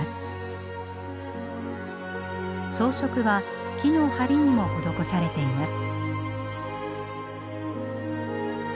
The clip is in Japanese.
装飾は木のはりにも施されています。